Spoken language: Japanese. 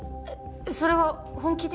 それは本気で？